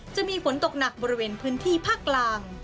จะมีฝนตกหนักบริเวณพื้นที่ภาคกลาง